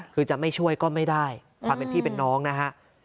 คือจะไม่ช่วยก็ไม่ได้ความเป็นพี่เป็นน้องนะฮะ